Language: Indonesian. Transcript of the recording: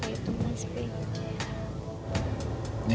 yaitu mas benji